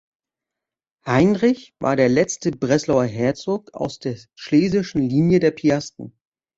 Heinrich war der letzte Breslauer Herzog aus der schlesischen Linie der Piasten.